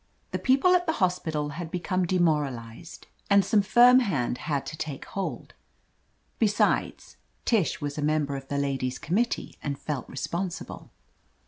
The people at the hospital had become de « moralized, and some firm hand had to take THE AMAZING ADVENTURES hold. Besides, Tish was a member of the Ladies' Committee, and felt responsible.